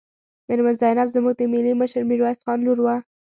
میرمن زینب زموږ د ملي مشر میرویس خان لور وه.